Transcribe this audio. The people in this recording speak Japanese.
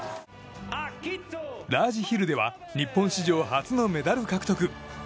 ラージヒルでは日本史上初のメダル獲得。